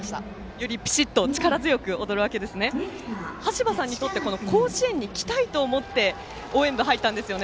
よりピシッと力強く踊るわけですね。はしばさんにとって甲子園に来たいと思って応援部に入ったんですよね。